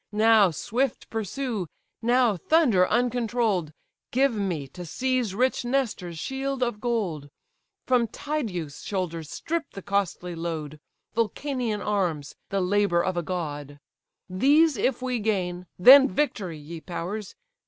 Now swift pursue, now thunder uncontroll'd: Give me to seize rich Nestor's shield of gold; From Tydeus' shoulders strip the costly load, Vulcanian arms, the labour of a god: These if we gain, then victory, ye powers!